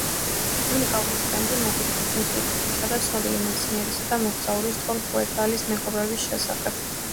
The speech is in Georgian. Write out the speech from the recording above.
უნიკალური სტენდი მოგვითხრობს ინსტიტუტისა და ცნობილი მეცნიერისა და მოგზაურის ტურ ჰეიერდალის მეგობრობის შესახებ.